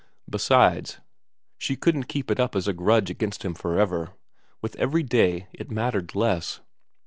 Besides, she couldn't keep it up as a grudge against him for ever ; with every day it mattered less.